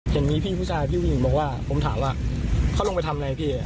เห็นมีพี่ผู้ชายพี่ผู้หญิงบอกว่าผมถามว่าเขาลงไปทำอะไรพี่